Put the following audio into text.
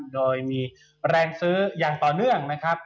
โดยมีแรงซื้ออย่างต่อเนื่องนะครับ